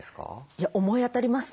いや思い当たります。